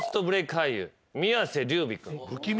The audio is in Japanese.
俳優宮世琉弥君。